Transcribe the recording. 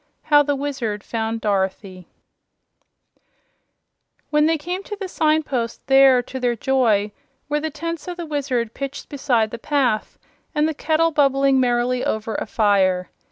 How the Wizard Found Dorothy When they came to the signpost, there, to their joy, were the tents of the Wizard pitched beside the path and the kettle bubbling merrily over the fire.